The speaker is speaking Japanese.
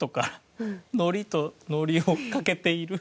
「のりとノリをかけている」